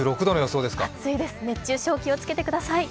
暑いです、熱中症気をつけてください。